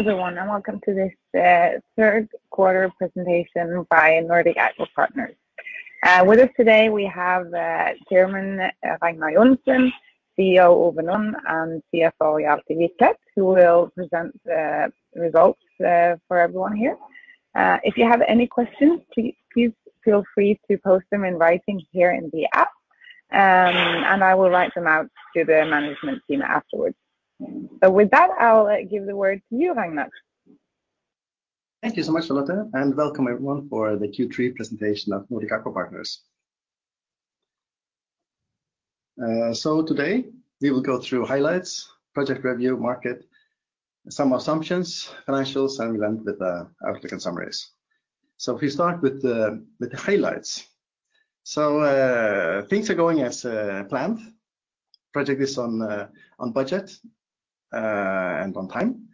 Everyone, welcome to this, third quarter presentation by Nordic Aqua Partners. With us today, we have, Chairman Ragnar Joensen, CEO Ove Nodland, and CFO Hjalti Hvítklett who will present the results, for everyone here. If you have any questions, please feel free to post them in writing here in the app. I will write them out to the management team afterwards. With that, I'll give the word to you, Ragnar. Thank you so much, Charlotte, and welcome everyone for the Q3 presentation of Nordic Aqua Partners. Today we will go through highlights, project review, market, some assumptions, financials, and we'll end with outlook and summaries. If we start with the highlights. Things are going as planned. Project is on budget and on time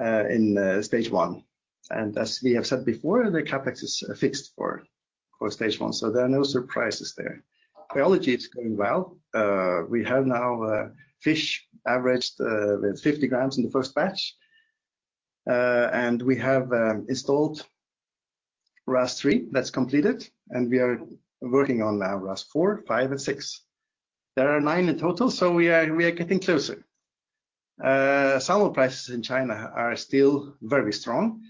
in stage one. As we have said before, the CapEx is fixed for stage one, there are no surprises there. Biology is going well. We have now fish averaged with 50 grams in the first batch. We have installed RAS 3, that's completed, and we are working on now RAS 4, 5 and 6. There are nine in total, we are getting closer. Salmon prices in China are still very strong,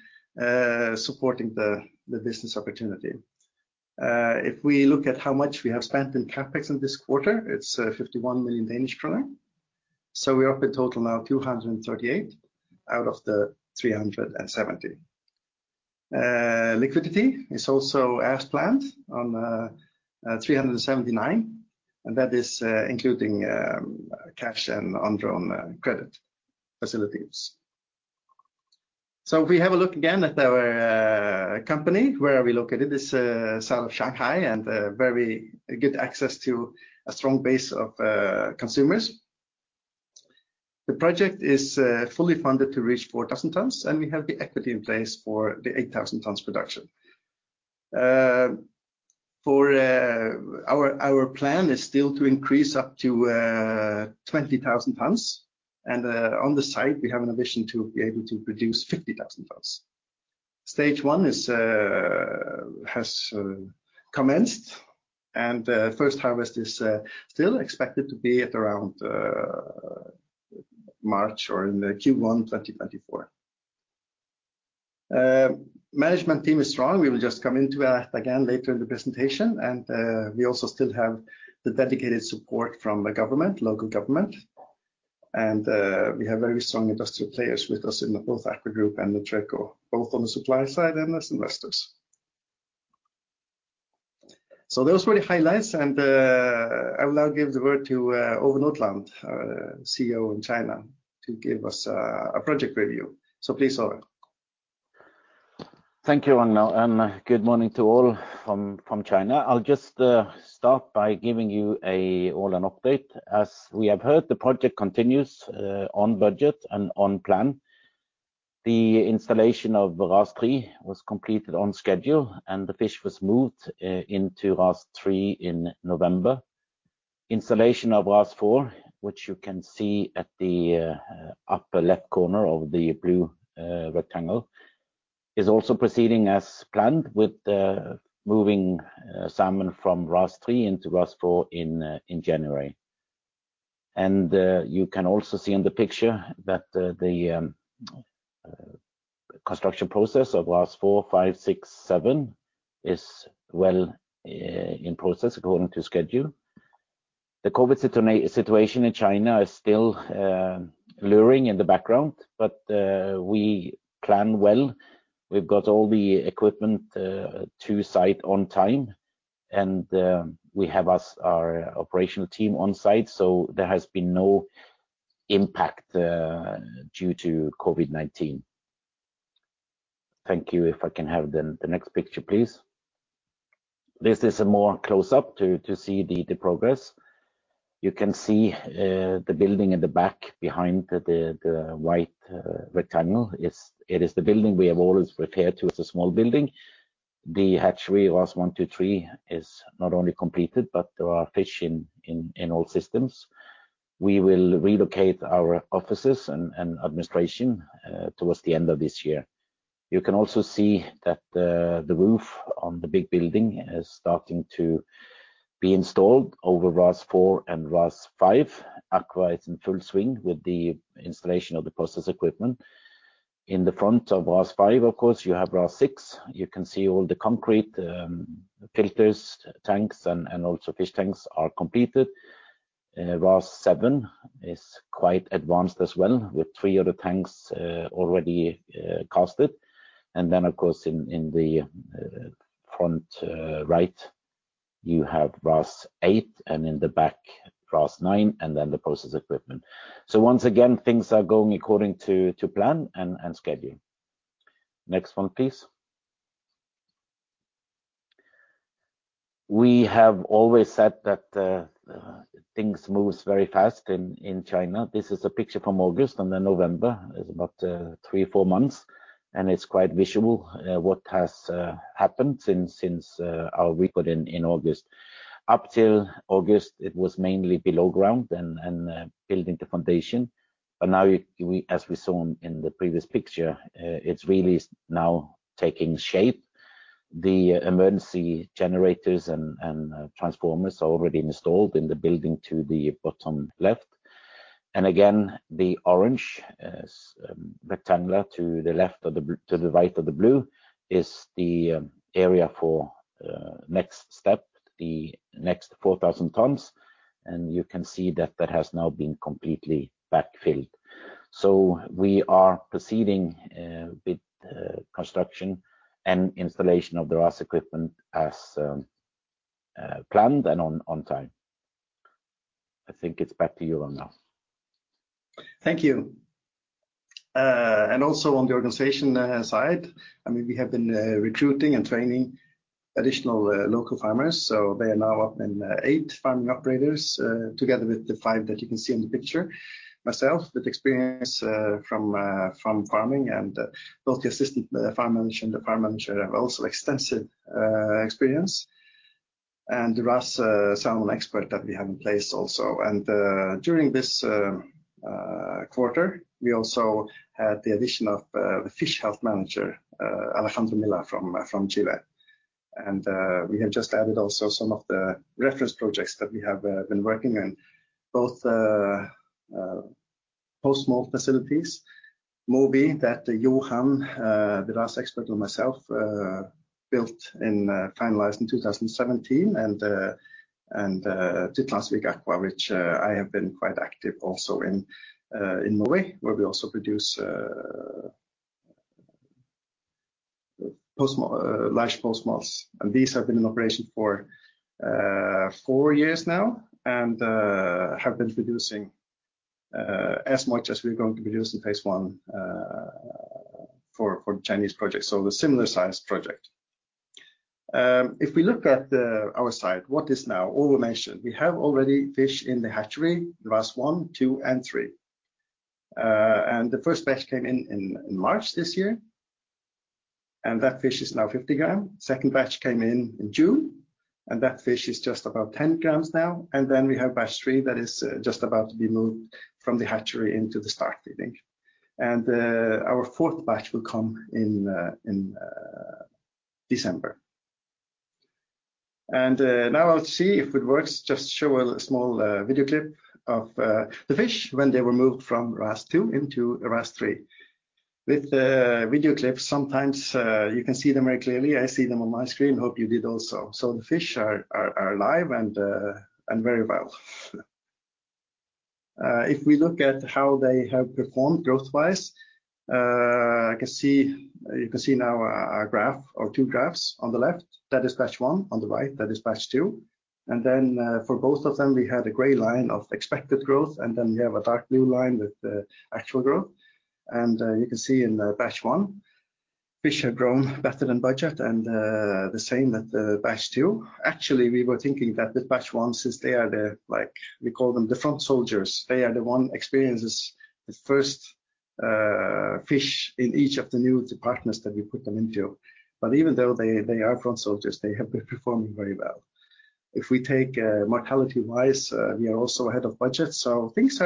supporting the business opportunity. If we look at how much we have spent in CapEx in this quarter, it's 51 million Danish kroner. We're up in total now 238 out of the 370. Liquidity is also as planned on 379, and that is including cash and undrawn credit facilities. If we have a look again at our company. Where are we located is south of Shanghai and very good access to a strong base of consumers. The project is fully funded to reach 4,000 tons, and we have the equity in place for the 8,000 tons production. Our plan is still to increase up to 20,000 tons. On the site, we have an ambition to be able to produce 50,000 tons. Stage one has commenced, and first harvest is still expected to be at around March or in the Q1 2024. Management team is strong. We will just come into that again later in the presentation. We also still have the dedicated support from the government, local government. We have very strong industrial players with us in the both AKVA group and Nutreco, both on the supply side and as investors. Those were the highlights and I will now give the word to Ove Nodland, our CEO in China, to give us a project review. Please, Ove. Thank you, Ragnar, good morning to all from China. I'll just start by giving you all an update. As we have heard, the project continues on budget and on plan. The installation of RAS 3 was completed on schedule, the fish was moved into RAS 3 in November. Installation of RAS 4, which you can see at the upper left corner of the blue rectangle, is also proceeding as planned with moving salmon from RAS 3 into RAS 4 in January. You can also see in the picture that the construction process of RAS 4, 5, 6, 7 is well in process according to schedule. The COVID situation in China is still luring in the background, we plan well. We've got all the equipment to site on time, and we have us, our operational team on site. There has been no impact due to COVID-19. Thank you. If I can have then the next picture, please. This is a more close up to see the progress. You can see the building in the back behind the white rectangle. It is the building we have always referred to as a small building. The hatchery RAS 1, 2, 3 is not only completed, but there are fish in all systems. We will relocate our offices and administration towards the end of this year. You can also see that the roof on the big building is starting to be installed over RAS 4 and RAS 5. Aqua is in full swing with the installation of the process equipment. In the front of RAS 5, you have RAS 6. You can see all the concrete filters, tanks and also fish tanks are completed. RAS 7 is quite advanced as well, with three of the tanks already casted. Of course, in the front right you have RAS 8 and in the back RAS 9, and then the process equipment. Once again, things are going according to plan and schedule. Next one, please. We have always said that things moves very fast in China. This is a picture from August and then November. It's about three or four months. It's quite visual what has happened since our record in August. Up till August, it was mainly below ground and building the foundation. But now as we saw in the previous picture, it's really now taking shape. The emergency generators and transformers are already installed in the building to the bottom left. And again, the orange rectangular to the right of the blue is the area for next step, the next 4,000 tons. And you can see that that has now been completely backfilled. So we are proceeding with construction and installation of the RAS equipment as planned and on time. I think it's back to you, Ragnar, now. Thank you. Also on the organization side, I mean, we have been recruiting and training additional local farmers, so they are now up in eight farming operators together with the five that you can see in the picture. Myself, with experience from farming and both the assistant farm manager and the farm manager have also extensive experience. RAS salmon expert that we have in place also. During this quarter, we also had the addition of the Fish Health Manager, Alejandro Millar from Chile. We have just added also some of the reference projects that we have been working on, both the post-smolt facilities, Moby, that Johan, the RAS expert and myself built and finalized in 2017, and Tytlandsvik Aqua, which I have been quite active also in Norway, where we also produce large post-smolts. These have been in operation for four years now and have been producing as much as we're going to produce in phase one for Chinese projects, so the similar size project. If we look at our side, what is now, all we mentioned, we have already fish in the hatchery, RAS 1, 2, and 3. The first batch came in in March this year, and that fish is now 50 grams. Second batch came in in June, and that fish is just about 10 grams now. Then we have batch three that is just about to be moved from the hatchery into the start feeding. Our fourth batch will come in in December. Now I'll see if it works, just show a small video clip of the fish when they were moved from RAS 2 into RAS 3. With the video clips, sometimes you can see them very clearly. I see them on my screen. Hope you did also. The fish are alive and very well. If we look at how they have performed growth-wise, you can see now a graph or two graphs on the left. That is batch one. On the right, that is batch two. For both of them, we had a gray line of expected growth, and then we have a dark blue line with the actual growth. You can see in batch one, fish have grown better than budget, and the same with batch two. Actually, we were thinking that the batch one, since they are the, like, we call them the front soldiers, they are the one experiences the first fish in each of the new departments that we put them into. Even though they are front soldiers, they have been performing very well. If we take mortality-wise, we are also ahead of budget. Things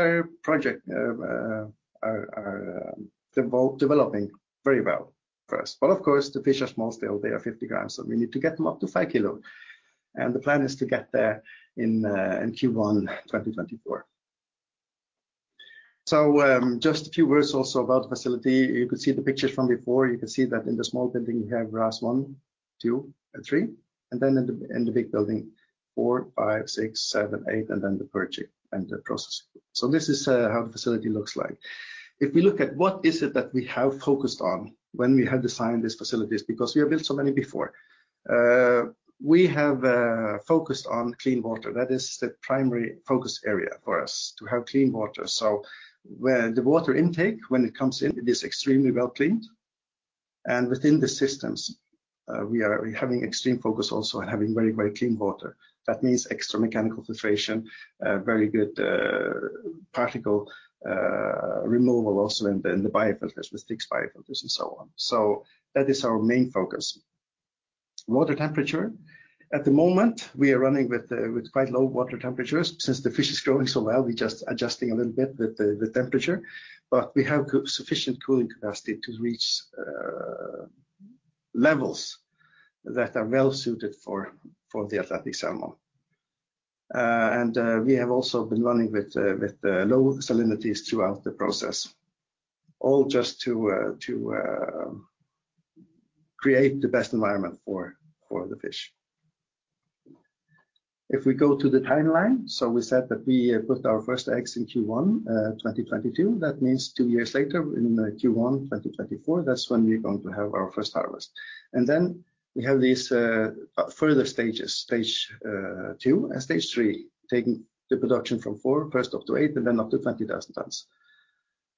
are developing very well for us. Of course, the fish are small still. They are 50 grams, we need to get them up to 5 kilo. The plan is to get there in Q1 2024. Just a few words also about the facility. You could see the pictures from before. You can see that in the small building, you have RAS 1, 2, and 3, and then in the big building, 4, 5, 6, 7, 8, and then the perchy and the processing. This is how the facility looks like. We look at what is it that we have focused on when we have designed these facilities, because we have built so many before, we have focused on clean water. That is the primary focus area for us, to have clean water. Where the water intake, when it comes in, it is extremely well cleaned. Within the systems, we are having extreme focus also on having very, very clean water. That means extra mechanical filtration, very good particle removal also in the, in the biofilters, with thick biofilters and so on. That is our main focus. Water temperature. At the moment, we are running with quite low water temperatures. Since the fish is growing so well, we're just adjusting a little bit with the temperature, but we have sufficient cooling capacity to reach levels that are well suited for the Atlantic salmon. We have also been running with the low salinities throughout the process, all just to create the best environment for the fish. If we go to the timeline, we said that we put our first eggs in Q1 2022. That means two years later in Q1 2024, that's when we're going to have our first harvest. Then we have these further stages, stage two and stage three, taking the production from four first up to eight and then up to 20,000 tons.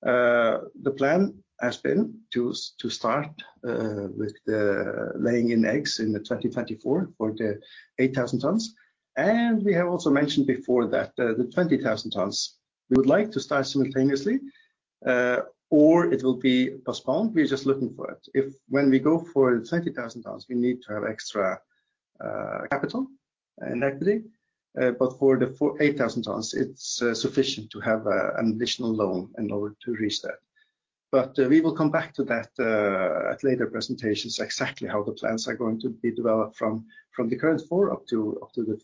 The plan has been to start with the laying in eggs in 2024 for the 8,000 tons. We have also mentioned before that, the 20,000 tons, we would like to start simultaneously, or it will be postponed. We're just looking for it. If when we go for the 20,000 tons, we need to have extra capital and equity. For the 8,000 tons, it's sufficient to have an additional loan in order to reach that. We will come back to that at later presentations exactly how the plans are going to be developed from the current four up to, up to the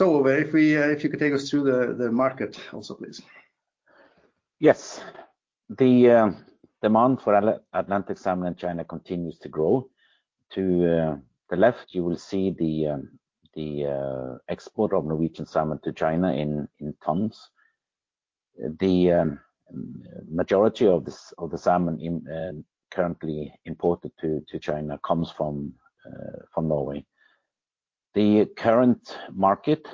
20,000 tons. If we, if you could take us through the market also, please. Yes. The demand for Atlantic salmon in China continues to grow. To the left you will see the export of Norwegian salmon to China in tons. The majority of the salmon in currently imported to China comes from Norway. The current market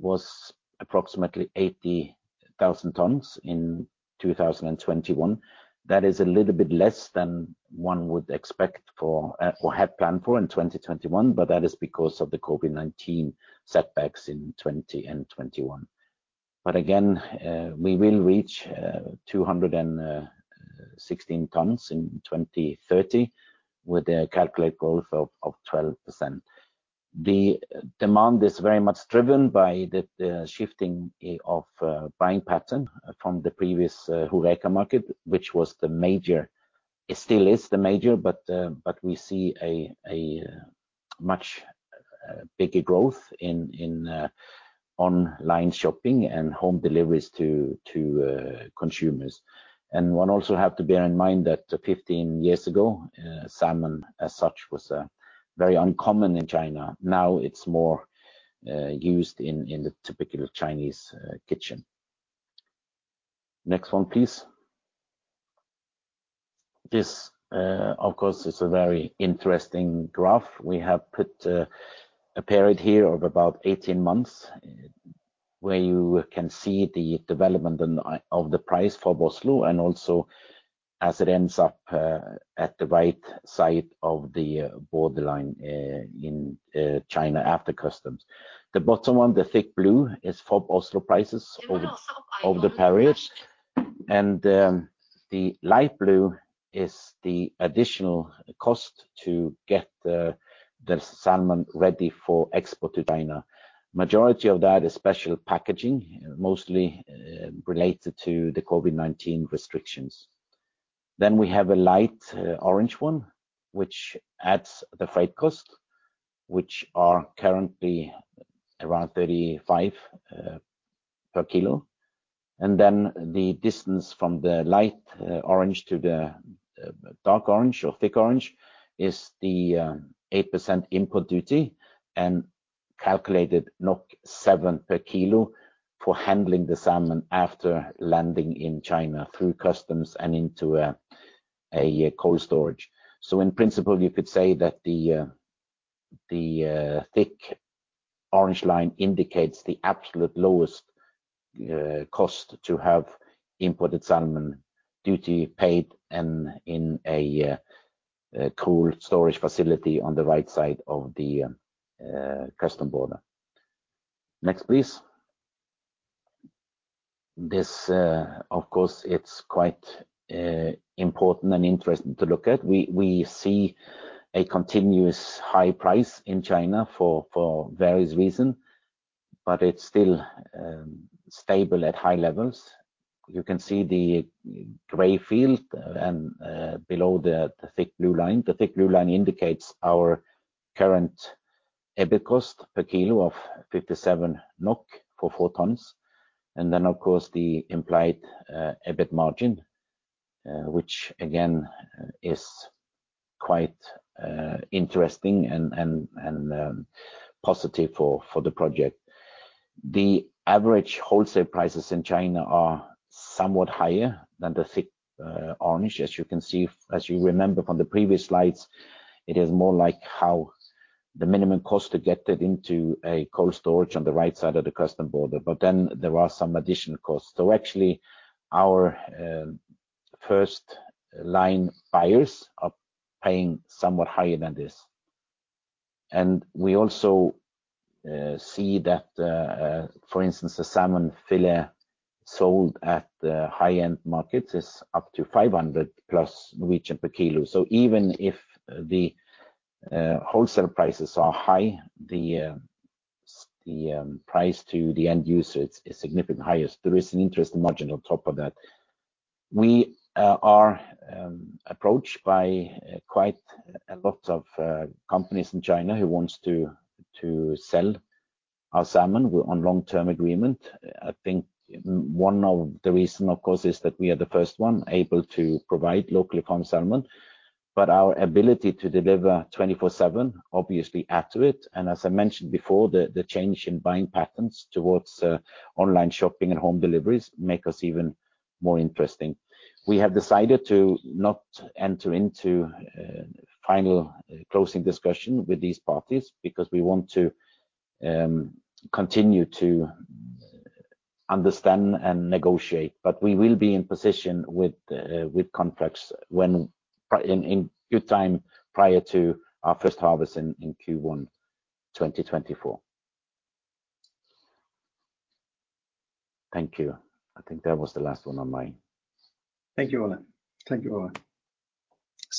was approximately 80,000 tons in 2021. That is a little bit less than one would expect for or had planned for in 2021, but that is because of the COVID-19 setbacks in 2020 and 2021. Again, we will reach 216 tons in 2030 with a calculated growth of 12%. The demand is very much driven by the shifting of buying pattern from the previous Horeca market, which was the major. It still is the major, but we see a much bigger growth in online shopping and home deliveries to consumers. One also have to bear in mind that 15 years ago, salmon as such was very uncommon in China. Now it's more used in the typical Chinese kitchen. Next one, please. This, of course, is a very interesting graph. We have put a period here of about 18 months, where you can see the development of the price for Oslo and also as it ends up at the right side of the borderline in China after customs. The bottom one, the thick blue is FOB Oslo prices of the periods. The light blue is the additional cost to get the salmon ready for export to China. Majority of that is special packaging, mostly related to the COVID-19 restrictions. We have a light orange one, which adds the freight cost, which are currently around 35 per kilo. The distance from the light orange to the dark orange or thick orange is the 8% input duty and calculated 7 per kilo for handling the salmon after landing in China through customs and into a cold storage. In principle, you could say that the thick orange line indicates the absolute lowest cost to have imported salmon duty paid and in a cold storage facility on the right side of the custom border. Next, please. This, of course, it's quite important and interesting to look at. We see a continuous high price in China for various reason, but it's still stable at high levels. You can see the gray field and below the thick blue line. The thick blue line indicates our current EBIT cost per kilo of NOK 57 for 4 tons. Of course, the implied EBIT margin, which again is quite interesting and positive for the project. The average wholesale prices in China are somewhat higher than the thick orange. As you remember from the previous slides, it is more like how the minimum cost to get it into a cold storage on the right side of the custom border. There are some additional costs. Actually, our first line buyers are paying somewhat higher than this. We also see that, for instance, the salmon fillet sold at the high-end markets is up to 500+ per kilo. Even if the wholesale prices are high, the price to the end user is significantly highest. There is an interesting margin on top of that. We are approached by quite a lot of companies in China who wants to sell our salmon on long-term agreement. I think one of the reason, of course, is that we are the first one able to provide locally farmed salmon, but our ability to deliver 24/7 obviously add to it. As I mentioned before, the change in buying patterns towards online shopping and home deliveries make us even more interesting. We have decided to not enter into final closing discussion with these parties because we want to Continue to understand and negotiate, but we will be in position with contracts when in due time prior to our first harvest in Q1 2024. Thank you. I think that was the last one on my... Thank you, Ove. Thank you,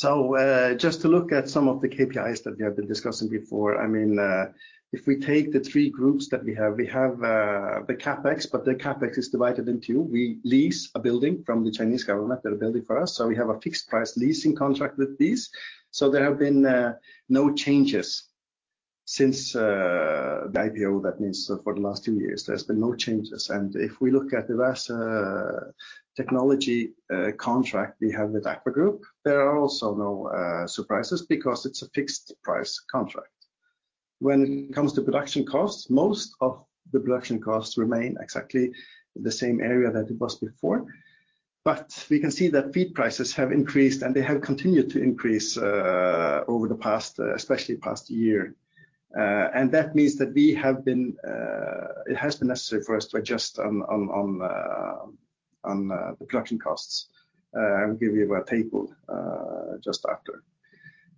Ove. Just to look at some of the KPIs that we have been discussing before, I mean, if we take the three groups that we have, we have the CapEx, but the CapEx is divided in two. We lease a building from the Chinese government. They're building for us, so we have a fixed price leasing contract with these. There have been no changes since the IPO. That means for the last two years, there's been no changes. If we look at the RAS technology contract we have with AKVA group, there are also no surprises because it's a fixed price contract. When it comes to production costs, most of the production costs remain exactly the same area that it was before. We can see that feed prices have increased, and they have continued to increase over the past, especially past year. And that means that we have been, it has been necessary for us to adjust on the production costs. I will give you a table just after.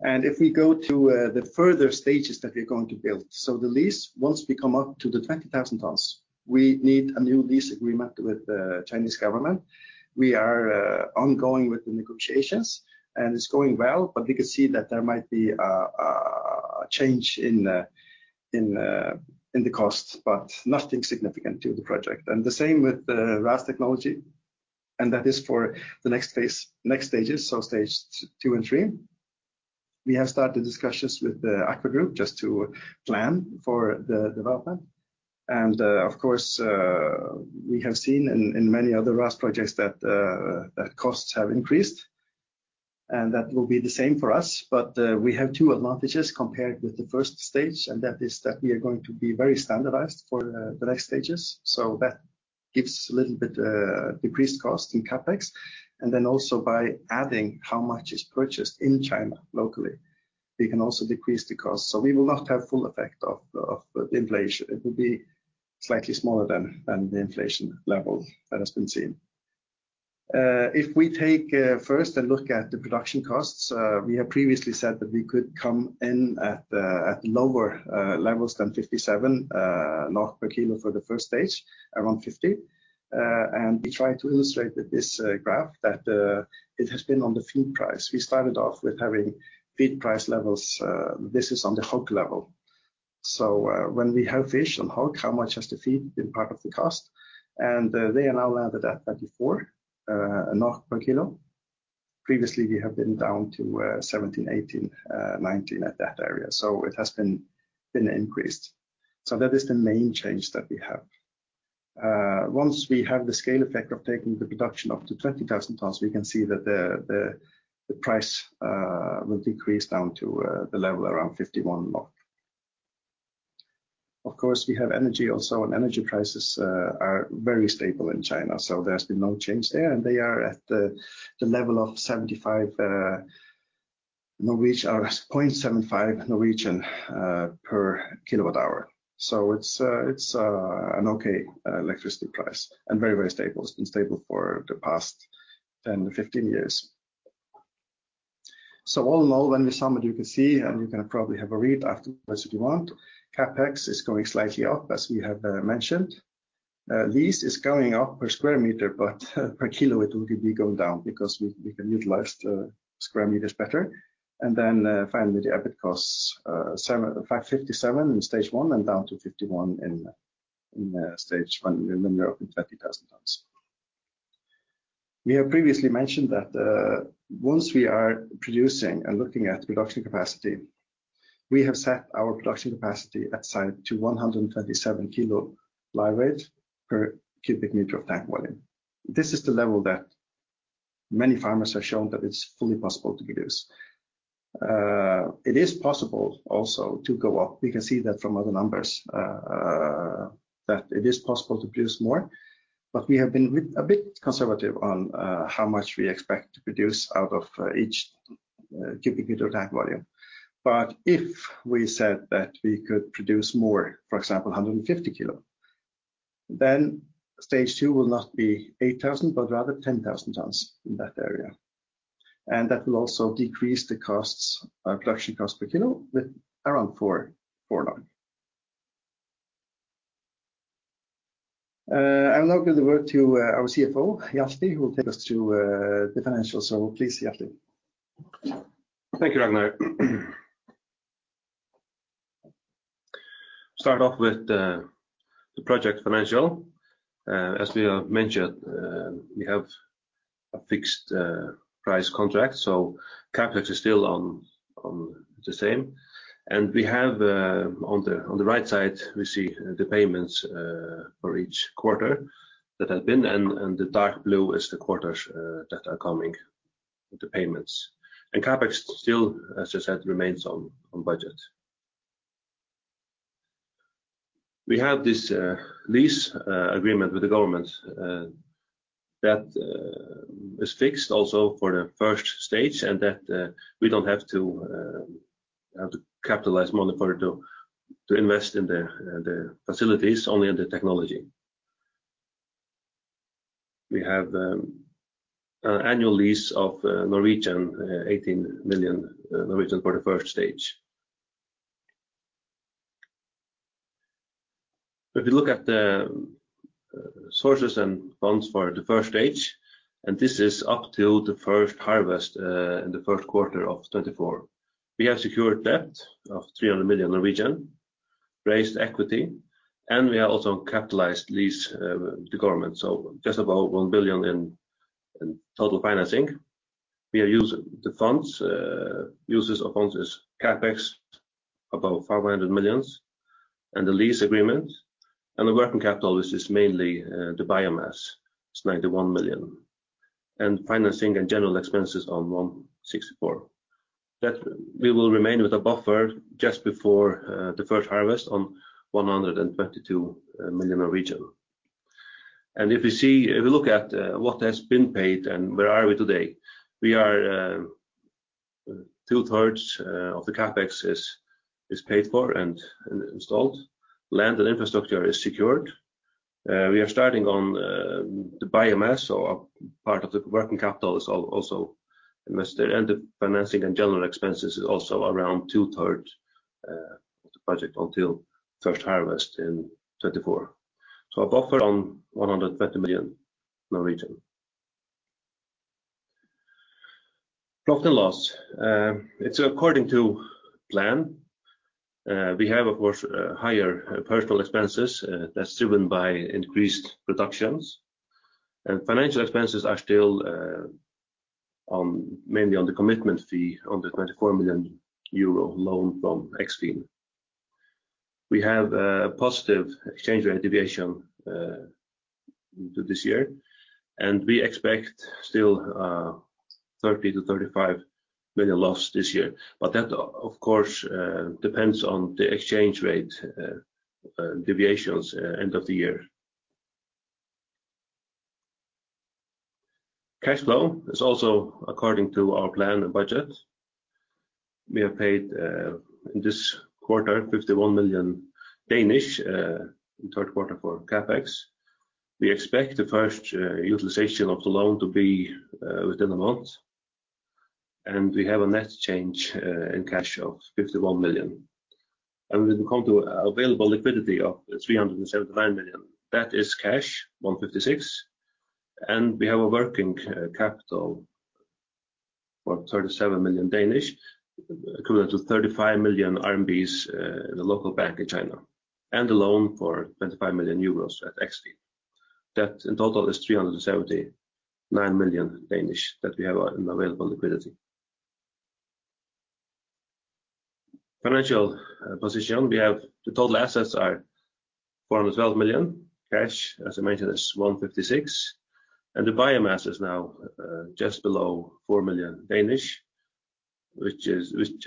If we go to the further stages that we're going to build, so the lease, once we come up to the 20,000 tons, we need a new lease agreement with the Chinese government. We are ongoing with the negotiations, and it's going well, but we can see that there might be a change in the costs, but nothing significant to the project. The same with the RAS technology, and that is for the next phase, next stages, so stage two and three. We have started discussions with the AKVA group just to plan for the development. Of course, we have seen in many other RAS projects that costs have increased, and that will be the same for us. We have two advantages compared with the first stage, and that is that we are going to be very standardized for the next stages. That gives a little bit decreased cost in CapEx. Also by adding how much is purchased in China locally, we can also decrease the cost. We will not have full effect of the inflation. It will be slightly smaller than the inflation level that has been seen. If we take first a look at the production costs, we have previously said that we could come in at lower levels than 57 per kilo for the first stage, around 50. We try to illustrate with this graph that it has been on the feed price. We started off with having feed price levels, this is on the HOG level. When we have fish on HOG, how much has the feed been part of the cost? They are now landed at 24 NOK per kilo. Previously, we have been down to 17, 18, 19 at that area. It has been increased. That is the main change that we have. Once we have the scale effect of taking the production up to 20,000 tons, we can see that the price will decrease down to the level around 51. Of course, we have energy also, and energy prices are very stable in China, so there's been no change there. They are at the level of 0.75 per kWh. It's an okay electricity price and very stable. It's been stable for the past 10-15 years. So all in all, when we sum it, you can see, and you can probably have a read afterwards if you want. CapEx is going slightly up, as we have mentioned. Lease is going up per square meter, per kilo it will be going down because we can utilize the square meters better. Finally, the EBIT costs 57 in stage one and down to 51 in stage one when we open 20,000 tons. We have previously mentioned that once we are producing and looking at production capacity, we have set our production capacity at site to 127 kilo live weight per cubic meter of tank volume. This is the level that many farmers have shown that it's fully possible to produce. It is possible also to go up. We can see that from other numbers that it is possible to produce more. We have been a bit conservative on how much we expect to produce out of each cubic meter tank volume. If we said that we could produce more, for example, 150 kilo, then stage two will not be 8,000, but rather 10,000 tons in that area. That will also decrease the costs, production cost per kilo with around 4. I will now give the word to our CFO, Hjalti, who will take us through the financials. Please, Hjalti. Thank you, Ragnar. Start off with, the project financial. As we have mentioned, we have a fixed, price contract, so CapEx is still on the same. We have, on the right side, we see the payments, for each quarter that have been, and the dark blue is the quarters, that are coming with the payments. CapEx still, as I said, remains on budget. We have this, lease, agreement with the government, That, is fixed also for the first stage, and that, we don't have to capitalize money for it to invest in the facilities, only in the technology. We have, an annual lease of, 18 million for the first stage. If you look at the sources and funds for the first stage, this is up till the first harvest in the first quarter of 2024. We have secured debt of 300 million, raised equity, and we have also capitalized lease the government. Just about 1 billion in total financing. The funds, uses of funds is CapEx, about 500 million, and the lease agreement. The working capital, which is mainly the biomass, it's 91 million. Financing and general expenses are 164 million. That we will remain with a buffer just before the first harvest on 122 million. If you look at what has been paid and where are we today, we are 2/3s of the CapEx is paid for and installed. Land and infrastructure is secured. We are starting on the biomass, a part of the working capital is also invested. The financing and general expenses is also around two-thirds of the budget until first harvest in 2024. A buffer on NOK 120 million. Profit and loss. It's according to plan. We have, of course, higher personal expenses, that's driven by increased productions. Financial expenses are still on mainly on the commitment fee on the 24 million euro loan from Eksfin. We have a positive exchange rate deviation this year, we expect still 30 million-35 million loss this year. That of course depends on the exchange rate deviations end of the year. Cash flow is also according to our plan and budget. We have paid in this quarter 51 million in third quarter for CapEx. We expect the first utilization of the loan to be within a month, and we have a net change in cash of 51 million. We come to available liquidity of 379 million. That is cash, 156 million. We have a working capital for 37 million, equivalent to 35 million RMB in the local bank in China, and a loan for 25 million euros at Eksfin. That in total is 379 million that we have in available liquidity. Financial position. We have the total assets are 412 million. Cash, as I mentioned, is 156 million. The biomass is now just below 4 million, which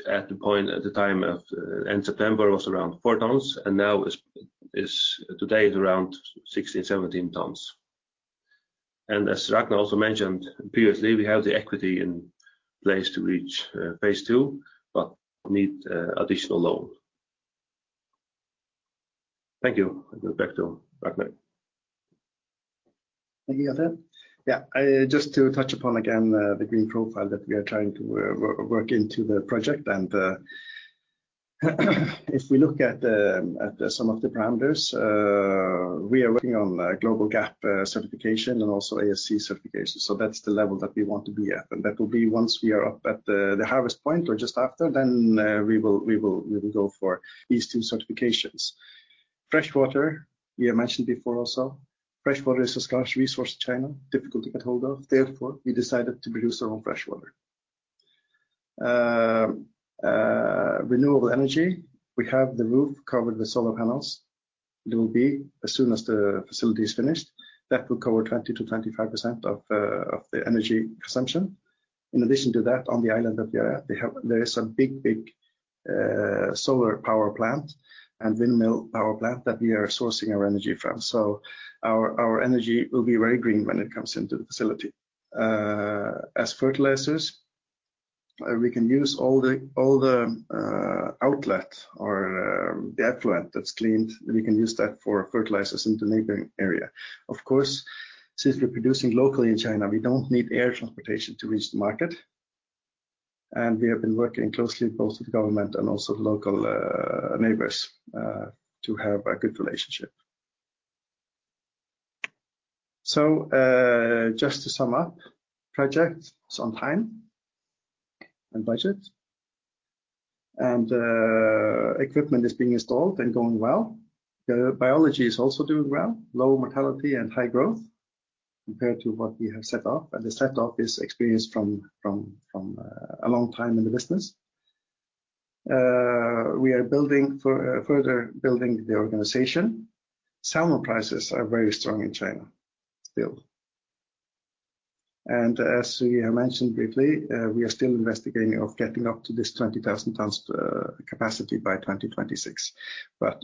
at the point, at the time of end September was around 4 tons, and now today is around 16-17 tons. As Ragnar also mentioned previously, we have the equity in place to reach phase two, but need additional loan. Thank you. Back to Ragnar. Thank you, Hjalti. Yeah, just to touch upon again, the green profile that we are trying to work into the project. If we look at some of the parameters, we are working on, GLOBALG.A.P., certification and also ASC certification. That's the level that we want to be at, and that will be once we are up at the harvest point or just after then, we will go for these two certifications. Fresh water, we have mentioned before also. Fresh water is a scarce resource in China, difficult to get hold of. Therefore, we decided to produce our own fresh water. Renewable energy. We have the roof covered with solar panels. It will be as soon as the facility is finished. That will cover 20%-25% of the energy consumption. In addition to that, on the island that we are at, there is a big solar power plant and windmill power plant that we are sourcing our energy from. Our energy will be very green when it comes into the facility. As fertilizers, we can use all the outlet or the effluent that's cleaned, and we can use that for fertilizers in the neighboring area. Of course, since we're producing locally in China, we don't need air transportation to reach the market. We have been working closely both with government and also local neighbors to have a good relationship. Just to sum up, project is on time and budget. Equipment is being installed and going well. The biology is also doing well, low mortality and high growth compared to what we have set up. The setup is experience from a long time in the business. We are further building the organization. Salmon prices are very strong in China still. As we have mentioned briefly, we are still investigating of getting up to this 20,000 tons capacity by 2026.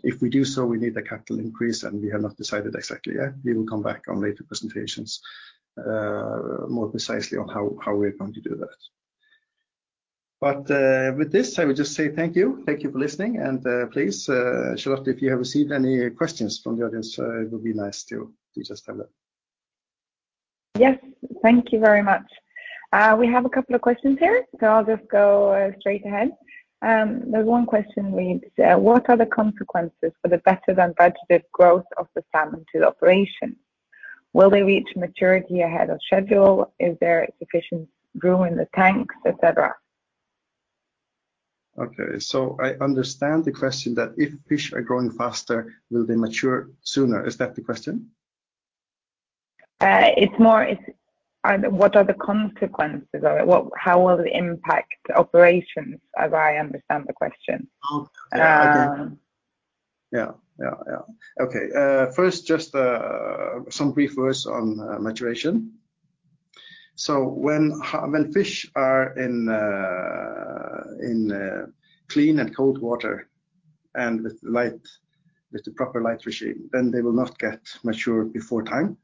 If we do so, we need a capital increase, and we have not decided exactly yet. We will come back on later presentations, more precisely on how we're going to do that. With this, I would just say thank you. Thank you for listening. Please, Charlotte, if you have received any questions from the audience, it would be nice to just have that. Yes. Thank you very much. We have a couple of questions here. I'll just go straight ahead. The one question reads, "What are the consequences for the better than budgeted growth of the salmon to the operation? Will they reach maturity ahead of schedule? Is there sufficient room in the tanks, et cetera? Okay. I understand the question that if fish are growing faster, will they mature sooner? Is that the question? It's more what are the consequences of it? How will it impact operations, as I understand the question? Oh. Okay. I get it. Um. Yeah. Yeah. Yeah. Okay. First, just some brief words on maturation. When fish are in clean and cold water and with light, with the proper light regime, then they will not get mature before time.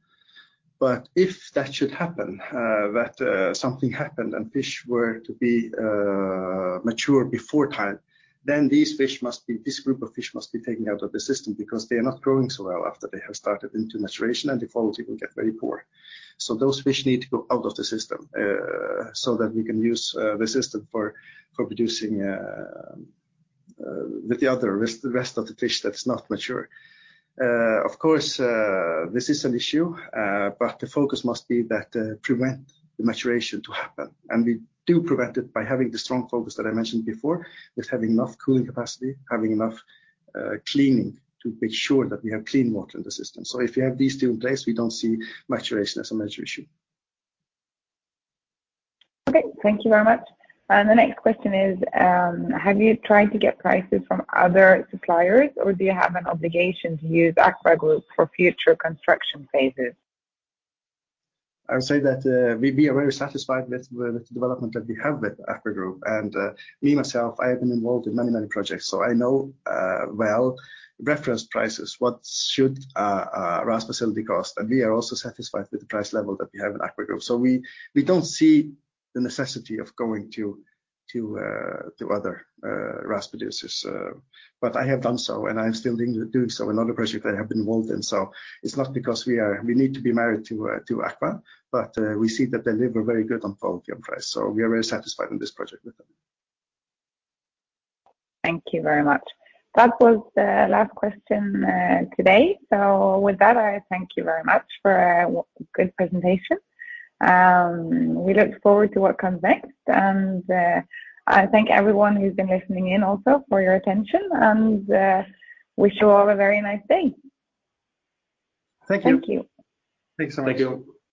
If that should happen, that something happened and fish were to be mature before time, then this group of fish must be taken out of the system because they are not growing so well after they have started into maturation, and the quality will get very poor. Those fish need to go out of the system, so that we can use the system for producing, with the other, with the rest of the fish that's not mature. Of course, this is an issue, but the focus must be that, prevent the maturation to happen. We do prevent it by having the strong focus that I mentioned before, with having enough cooling capacity, having enough cleaning to make sure that we have clean water in the system. If you have these two in place, we don't see maturation as a major issue. Okay. Thank you very much. The next question is, have you tried to get prices from other suppliers, or do you have an obligation to use AKVA group for future construction phases? I would say that we are very satisfied with the development that we have with AKVA group. Me myself, I have been involved in many, many projects, so I know well reference prices, what should a RAS facility cost, and we are also satisfied with the price level that we have in AKVA group. We don't see the necessity of going to other RAS producers. I have done so, and I'm still doing so in other projects I have been involved in. It's not because we need to be married to AKVA group, but we see that they deliver very good on quality and price. We are very satisfied on this project with them. Thank you very much. That was the last question today. With that, I thank you very much for a good presentation. We look forward to what comes next. I thank everyone who's been listening in also for your attention, and wish you all a very nice day. Thank you. Thank you. Thank you.